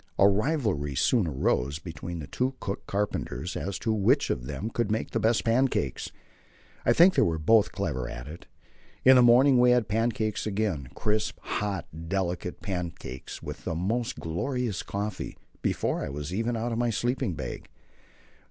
A rivalry soon arose between the two cook carpenters as to which of them could make the best pancakes. I think they were both clever at it. In the morning we had pancakes again crisp, hot, delicate pancakes, with the most glorious coffee before I was even out of my sleeping bag.